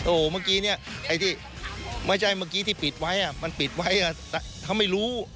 โอ้โหเมื่อกี้เนี่ยไอ้ที่ไม่ใช่เมื่อกี้ที่ปิดไว้มันปิดไว้เขาไม่รู้